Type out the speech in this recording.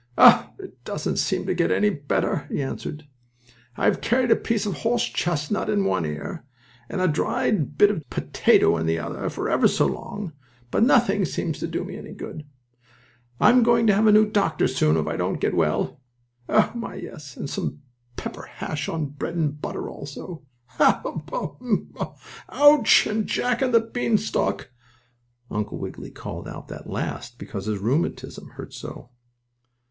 "Oh, it doesn't seem to get any better," he answered. "I have carried a piece of horse chestnut in one ear, and a bit of dried potato in the other for ever so long, but nothing seems to do me any good. I am going to have a new doctor soon if I don't get well. Oh my, yes, and some pepper hash on bread and butter also! Ha! Hum! Oh my! Ouch! and Jack and the Bean Stalk!" Uncle Wiggily called out that last because his rheumatism hurt so.